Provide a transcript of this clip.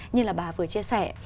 như là bà vừa chia sẻ